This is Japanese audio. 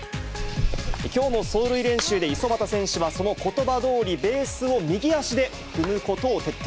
きょうの走塁練習で五十幡選手はそのことばどおり、ベースを右足で踏むことを徹底。